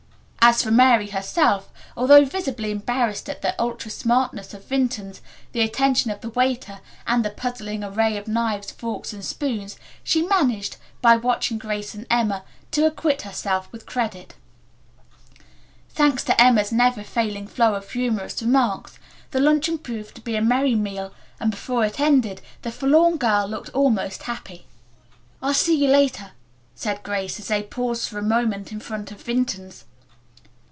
As for Mary herself, although visibly embarrassed at the ultra smartness of Vinton's, the attention of the waiter, and the puzzling array of knives, forks and spoons, she managed, by watching Grace and Emma, to acquit herself with credit. Thanks to Emma's never failing flow of humorous remarks the luncheon proved to be a merry meal and before it ended the forlorn girl looked almost happy. "I'll see you later," said Grace, as they paused for a moment in front of Vinton's.